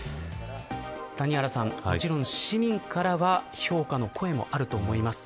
谷原さん、もちろん市民からは評価の声もあると思います。